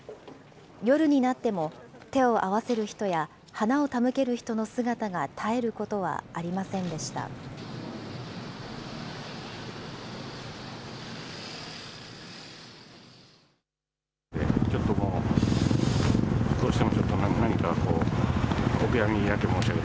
夜になっても、手を合わせる人や花を手向ける人の姿が絶えることはありませんでした。